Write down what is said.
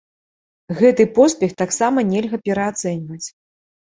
Гэты поспех таксама нельга пераацэньваць.